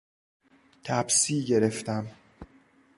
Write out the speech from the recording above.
تپسی گرفتم.